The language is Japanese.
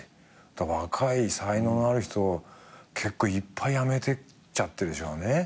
だから若い才能のある人結構いっぱいやめていっちゃってるでしょうね。